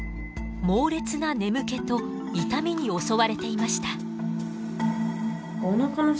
猛烈な眠気と痛みに襲われていました。